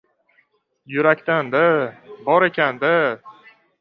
— Yurakdan-da bor ekan-da!